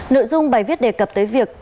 nội dung bài viết đề cập tới việc